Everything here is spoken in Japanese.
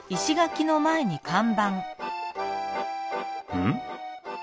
うん？